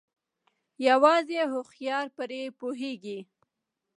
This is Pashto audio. يوازې هوښيار پري پوهيږي